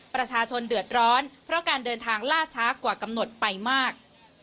ประชาชนเดือดร้อนเพราะการเดินทางล่าช้ากว่ากำหนดไปมาก